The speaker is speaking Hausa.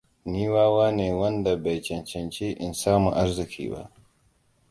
Ni wawa ne wanda bai cancanci in samu arziki ba.